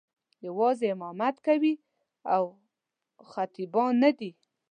یوازې امامت کوي او خطیبان نه دي.